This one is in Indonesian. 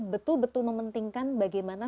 betul betul mementingkan bagaimana